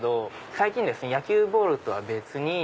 最近野球ボールとは別に。